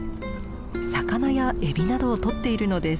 魚やエビなどを捕っているのです。